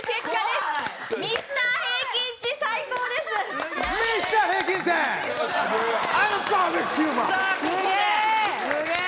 すげえ！